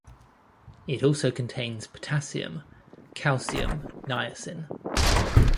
It also contains potassium, calcium, niacin.